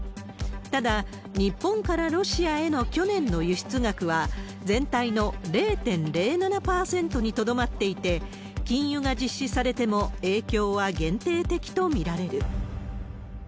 ただ、日本からロシアへの去年の輸出額は、全体の０．０７％にとどまっていて、禁輸が実施されても影響は限定的と見られる。